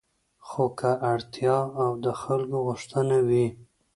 خو که اړتیا او د خلکو غوښتنه وي